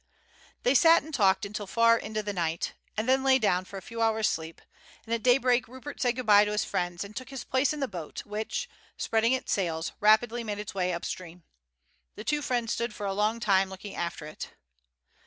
They sat and talked until far into the night, and then lay down for a few hours' sleep, and at daybreak Rupert said good bye to his friends and took his place in the boat, which, spreading its sails, rapidly made its way up stream. The two friends stood for a long time looking after it.